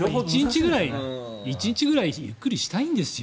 １日ぐらいゆっくりしたいんですよ。